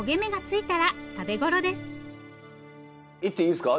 いっていいですか？